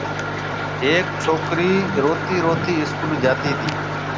هيَڪ ڇوڪرِي روتِي روتِي اسڪول جاتي تي۔